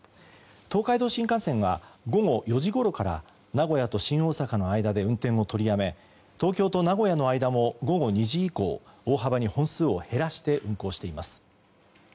東海道新幹線は午後４時ごろから名古屋と新大阪の間で運転を取りやめ東京と名古屋の間も午後２時以降大幅に本数を減らして運行しています。